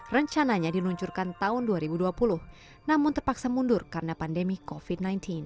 rencananya diluncurkan tahun dua ribu dua puluh namun terpaksa mundur karena pandemi covid sembilan belas